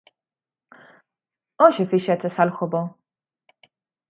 Hoxe fixeches algo bo.